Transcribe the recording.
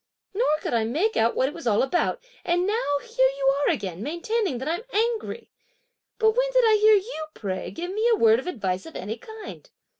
Nor could I make out what it was all about, and now here you are again maintaining that I'm angry. But when did I hear you, pray, give me a word of advice of any kind?"